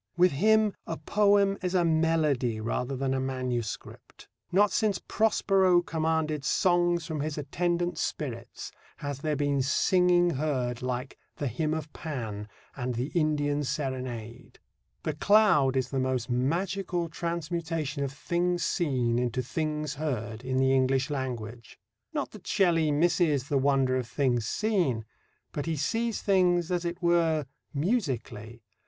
With him a poem is a melody rather than a manuscript. Not since Prospero commanded songs from his attendant spirits has there been singing heard like the Hymn of Pan and The Indian Serenade. The Cloud is the most magical transmutation of things seen into things heard in the English language. Not that Shelley misses the wonder of things seen. But he sees things, as it were, musically.